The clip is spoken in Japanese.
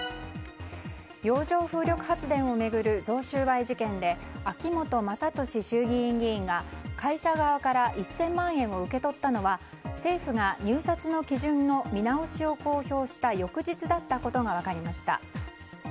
洋上風力発電を巡る贈収賄事件で秋本真利衆議院議員が会社側から１０００万円を受け取ったのは政府が入札の基準の見直しを公表した翌日だったことが分かりました。